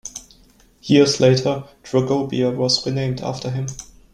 Years later Dragobia was renamed after him.